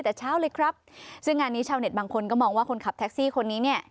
แต่เช้าเลยครับซึ่งงานนี้ชาวเน็ตบางคนก็มองว่าคนขับแท็กซี่คนนี้เนี่ย